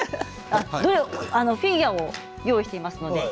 フィギュアを用意しています。